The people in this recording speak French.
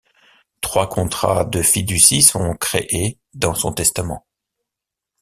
Trois contrats de fiducie sont créés dans son testament.